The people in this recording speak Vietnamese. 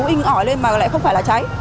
hình ỏi lên mà lại không phải là cháy